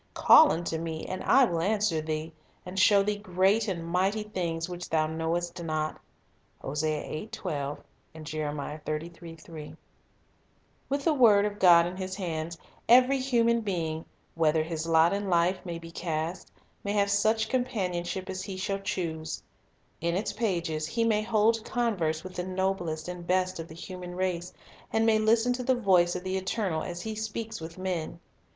"Call unto Me, and I will answer thee, and show thee great and mighty things, which thou knowest not." 1 With the word of God in his hands, eveiy human Possibilities of Compan being, wherever his lot in life may be cast, may have ionship such companionship as he shall choose. In its pages he may hold converse with the noblest and best of the human race, and may listen to the voice of the Eternal as He speaks with men.